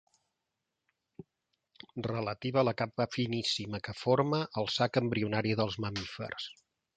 Relativa a la capa finíssima que forma el sac embrionari dels mamífers.